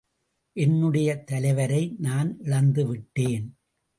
என்னுடைய தலைவரை நான் இழந்து விட்டேன்.